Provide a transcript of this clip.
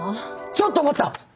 ちょっと待った！